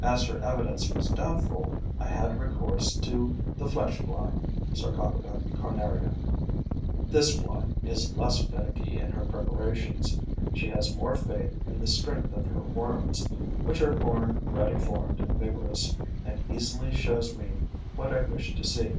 As her evidence was doubtful, I had recourse to the flesh fly (Sarcophaga carnaria). This fly is less finicky in her preparations, she has more faith in the strength of her worms, which are born ready formed and vigorous, and easily shows me what I wish to see.